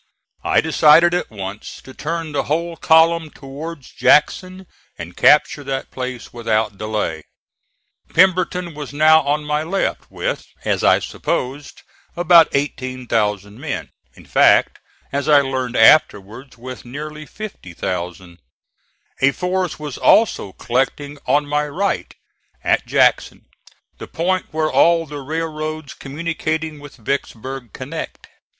I decided at once to turn the whole column towards Jackson and capture that place without delay. Pemberton was now on my left, with, as I supposed, about 18,000 men; in fact, as I learned afterwards, with nearly 50,000. A force was also collecting on my right, at Jackson, the point where all the railroads communicating with Vicksburg connect.